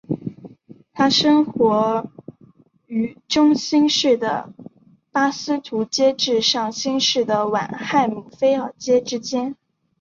它生活于中新世的巴斯图阶至上新世的晚亥姆菲尔阶之间。